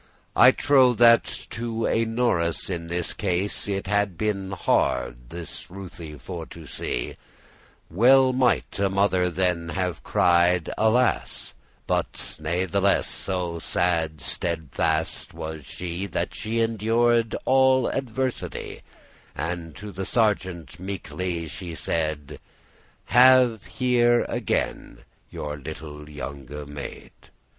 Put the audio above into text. I trow* that to a norice in this case *believe nurse It had been hard this ruthe* for to see: *pitiful sight Well might a mother then have cried, "Alas!" But natheless so sad steadfast was she, That she endured all adversity, And to the sergeant meekely she said, "Have here again your little younge maid.